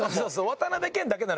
渡辺謙だけなの。